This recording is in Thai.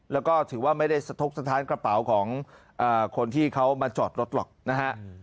แล้วก็ถือว่าไม่ได้สะทกสถานกระเป๋าของคนที่เขามาจอดรถหรอกนะฮะ